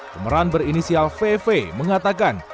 pemeran berinisial vv mengatakan